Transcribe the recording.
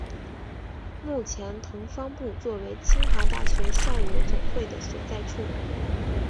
目前同方部作为清华大学校友总会的所在处。